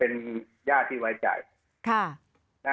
เป็นญาติที่ไว้ใจ